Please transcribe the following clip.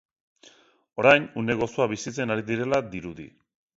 Orain, une gozoa bizitzen ari direla dirudi.